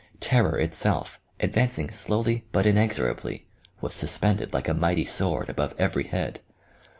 Ter ror itself, advancing slowly but inexorably, was suspended like a mighty sword above every head.